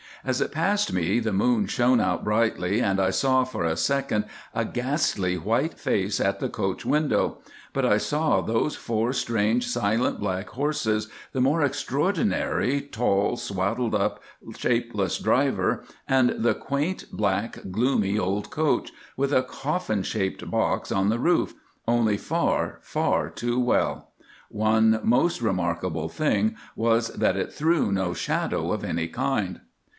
As it passed me the moon shone out brightly, and I saw for a second a ghastly white face at the coach window; but I saw those four strange, silent black horses, the more extraordinary, tall, swaddled up shapeless driver, and the quaint black, gloomy old coach, with a coffin shaped box on the roof, only far, far too well. One most remarkable thing was that it threw no shadow of any kind.